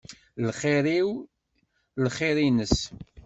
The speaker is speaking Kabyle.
Lxir-iw, lxir-ines.